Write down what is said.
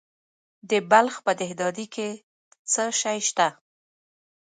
د بلخ په دهدادي کې څه شی شته؟